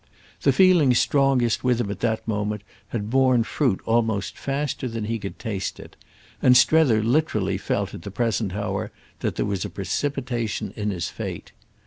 The feeling strongest with him at that moment had borne fruit almost faster than he could taste it, and Strether literally felt at the present hour that there was a precipitation in his fate.